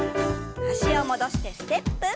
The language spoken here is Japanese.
脚を戻してステップ。